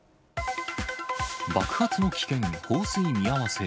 爆発の危険、放水見合わせ。